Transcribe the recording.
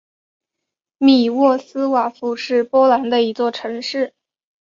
米沃斯瓦夫是波兰的一座城市。